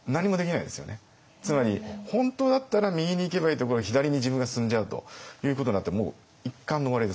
つまり本当だったら右に行けばいいところを左に自分が進んじゃうということになってもう一巻の終わりですから。